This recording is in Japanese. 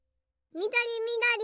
みどりみどり。